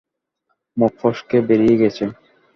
মুখ ফসকে বেরিয়ে গেছে।